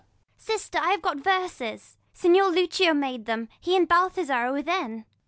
Sister, I have got verses. Signior Lucio Made them : he and Balthazar are within.